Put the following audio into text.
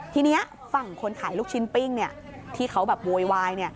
ทีนี้ฝั่งคนขายลูกชิ้นปิ้งที่เขาแบบโวยวาย